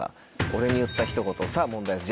俺に言ったひと言さぁ問題です